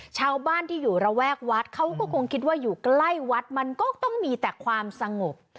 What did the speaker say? ชาวบ้านที่อยู่ระแวกวัดเขาก็คงคิดว่าอยู่ใกล้วัดมันก็ต้องมีแต่ความสงบ